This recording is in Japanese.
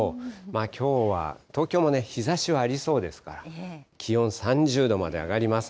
きょうは東京も日ざしはありそうですから、気温３０度まで上がります。